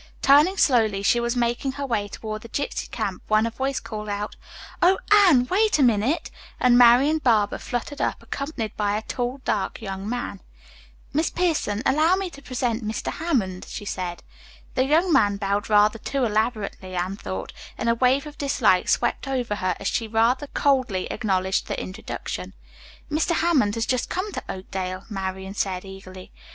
Turning slowly she was making her way toward the gypsy camp when a voice called, "O Anne, wait a minute," and Marian Barber fluttered up accompanied by a tall, dark young man. "Miss Pierson, allow me to present Mr. Hammond," she said. The young man bowed rather too elaborately Anne thought, and a wave of dislike swept over her as she rather coldly acknowledged the introduction. "Mr. Hammond has just come to Oakdale," Marian said eagerly.